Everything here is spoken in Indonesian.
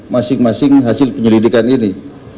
masing masing hasil penyelidikan ini